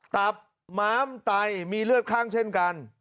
ตับม้ามไตมีเลือดข้างเช่นกัน